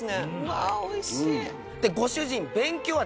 わあおいしい。